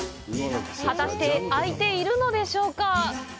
果たして、開いているのでしょうか。